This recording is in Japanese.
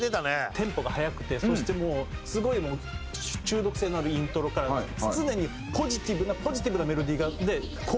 テンポが速くてそしてもうすごい中毒性のあるイントロから常にポジティブなポジティブなメロディーが。